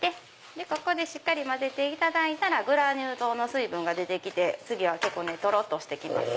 ここでしっかり混ぜていただいたらグラニュー糖の水分が出て来て次はとろっとして来ます。